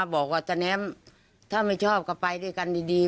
บอกว่าตะแน้มถ้าไม่ชอบก็ไปด้วยกันดี